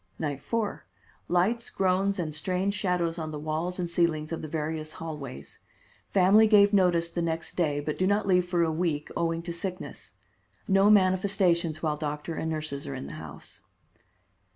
Night 4: Lights, groans and strange shadows on the walls and ceilings of the various hallways. Family give notice the next day, but do not leave for a week, owing to sickness. No manifestations while doctor and nurses are in the house.